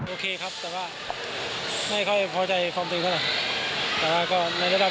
โอเคครับแต่ว่าไม่ค่อยพอใจความจริงเท่าไหร่แต่ว่าก็ในระดับ